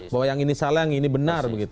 bahwa yang ini salah yang ini benar